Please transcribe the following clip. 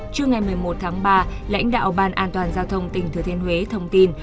trưa ngày một mươi một tháng ba lãnh đạo ban an toàn giao thông tỉnh thừa thiên huế thông tin